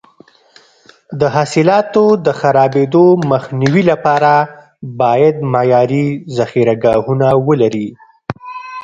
د حاصلاتو د خرابېدو مخنیوي لپاره باید معیاري ذخیره ګاهونه ولري.